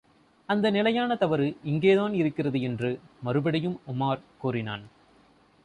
அந்த நிலையான தவறு இங்கேதான் இருக்கிறது! என்று மறுபடியும் உமார் கூறினான்.